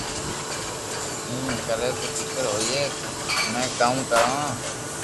ايم ڪري تو ڪيڪر ھوئئي ھمو ڪاو ڪرو